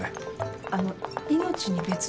あの命に別状は？